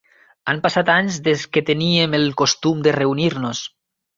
Han passat anys des que teníem el costum de reunir-nos.